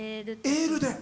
「エール」で！